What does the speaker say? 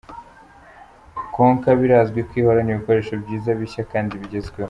Konka birazwi ko ihorana ibikoresho byiza, bishya kandi bigezweho.